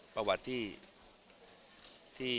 ประวัติที่